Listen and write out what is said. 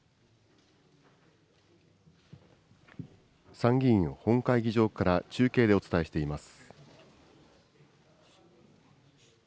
参議院本会議場から中継でお伝えしています。